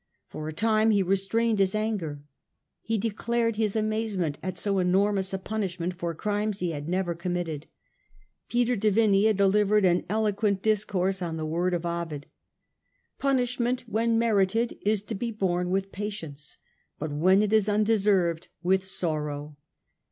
For a time he restrained his anger. He declared his amazement at so enormous a punishment for crimes he had never committed. Peter de Vinea delivered an eloquent discourse on the word of Ovid :" Punishment when merited is to be borne with patience, but when it is undeserved, with sorrow."